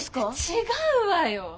違うわよ。